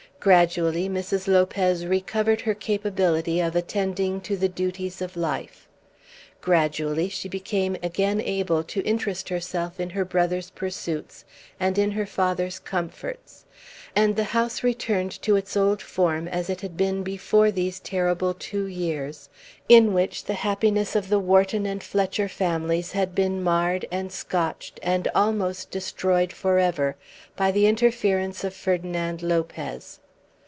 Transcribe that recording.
Gradually Mrs. Lopez recovered her capability of attending to the duties of life. Gradually she became again able to interest herself in her brother's pursuits and in her father's comforts, and the house returned to its old form as it had been before these terrible two years, in which the happiness of the Wharton and Fletcher families had been marred, and scotched, and almost destroyed for ever by the interference of Ferdinand Lopez.